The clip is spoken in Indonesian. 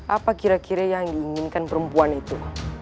apa kira kira yang diinginkan perempuan itu